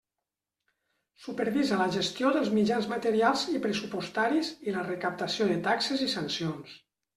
Supervisa la gestió dels mitjans materials i pressupostaris i la recaptació de taxes i sancions.